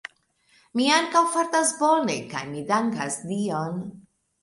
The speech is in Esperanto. Mi ankaŭ fartas bone, kaj mi dankas Dion.